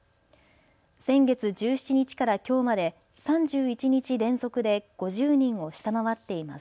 先月１７日からきょうまで３１日連続で５０人を下回っています。